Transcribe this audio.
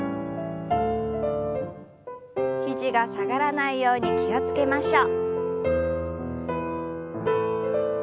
肘が下がらないように気を付けましょう。